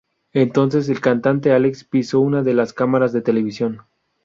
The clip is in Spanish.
Entonces, el cantante Axel pisó una de las cámaras de televisión.